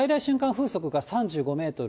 風速が３５メートル。